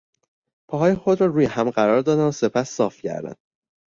پاهای خود را روی هم قرار دادن و سپس صاف کردن